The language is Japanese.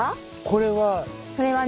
これは。